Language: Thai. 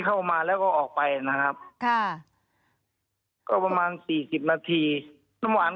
เข้ามาแล้วก็ออกไปนะครับค่ะก็ประมาณสี่สิบนาทีน้ำหวาน